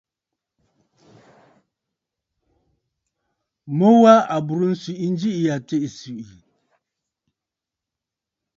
Mu wa à bùrə nswìʼi njiʼì ya tsiʼì swìʼì!